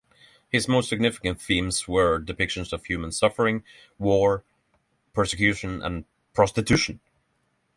His most significant themes were depictions of human suffering, war, persecution and prostitution.